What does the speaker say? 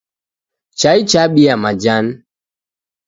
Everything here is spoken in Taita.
Chai chabia majani.